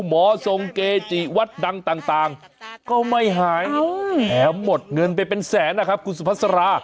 หมอทรงเกจิวัดดังต่างก็ไม่หายแถมหมดเงินไปเป็นแสนนะครับคุณสุภาษา